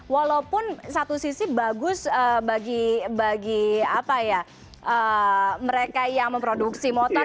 walaupun satu sisi bagus bagi mereka yang memproduksi motor